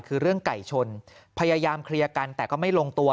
คือเรื่องไก่ชนพยายามเคลียร์กันแต่ก็ไม่ลงตัว